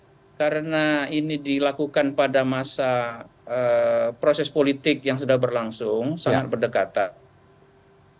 ya karena ini dilakukan pada masa proses politik yang sudah berlangsung sangat berdekatan